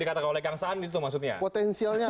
dikatakan oleh kang saan itu maksudnya potensialnya